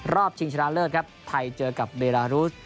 ชิงชนะเลิศครับไทยเจอกับเบดารูส